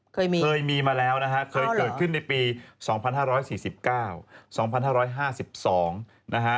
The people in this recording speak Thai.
เคยมีเคยมีมาแล้วนะฮะเคยเกิดขึ้นในปี๒๕๔๙๒๕๕๒นะฮะ